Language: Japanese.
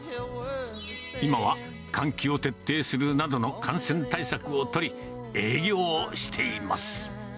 今は換気を徹底するなどの感染対策を取り、営業をしています。